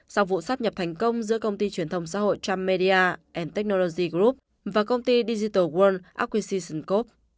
sau vụ sát nhập thành công giữa công ty truyền thông xã hội trump media technology group và công ty digital world acquisition corp